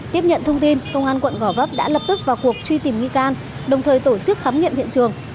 tiếp nhận thông tin công an quận gò vấp đã lập tức vào cuộc truy tìm nghi can đồng thời tổ chức khám nghiệm hiện trường